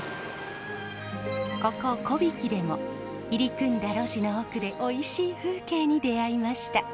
ここ小引でも入り組んだ路地の奥でおいしい風景に出会いました。